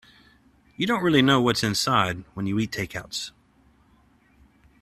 You don't really know what's inside when you eat takeouts.